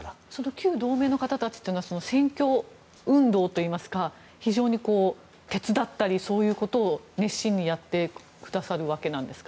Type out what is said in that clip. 旧同盟の方たちは選挙運動といいますか非常に手伝ったりそういうことを熱心にやってくださるわけですか。